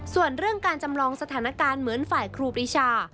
ส่วนเรื่องการจำลองสถานการณ์เหมือนฝ่ายครูปรีชา